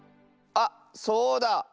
あっそうだ！